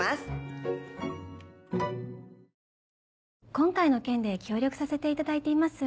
今回の件で協力させていただいています